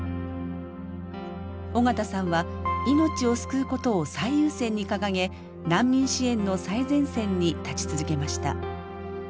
緒方さんは命を救うことを最優先に掲げ難民支援の最前線に立ち続けました。